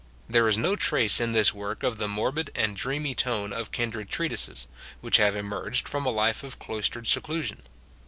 There is no trace in this work of the morbid and dreamy tone of kindred treatises, ■which have emerged from a life of cloistered seclusion.